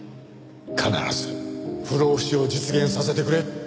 必ず不老不死を実現させてくれ。